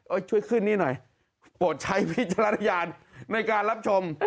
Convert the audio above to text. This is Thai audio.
ช่วยขึ้นนี่หน่อยโปรดใช้วิจารณญาณในการรับชม